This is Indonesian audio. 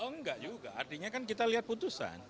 oh enggak juga artinya kan kita lihat putusan